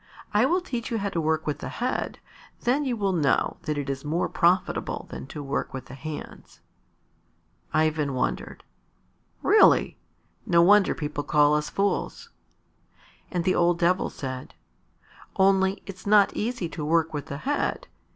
I will teach you how to work with the head, then you will know that it is more profitable than to work with the hands." Ivan wondered. "Really! No wonder people call us fools!" And the old Devil said, "Only it's not easy to work with the head.